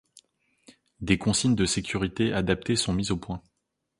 Des consignes de sécurité adaptées sont mises au point.